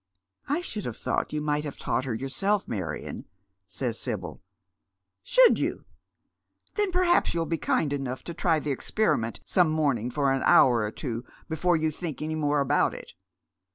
" I should have thought you might have taught her yourself, Marion," says Sibyl. " Should you ? Then perhaps you'll be kind enough to try the experiment some morning for an hour or two before you think any more about it.